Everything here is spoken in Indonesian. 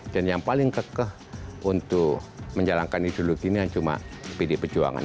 dan yang paling kekeh untuk menjalankan ideologi ini cuma pdi perjuangan